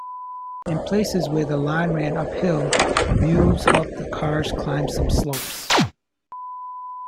In places where the line ran uphill, mules helped the cars climb some slopes.